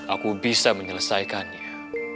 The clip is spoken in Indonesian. aku bisa menyelesaikannya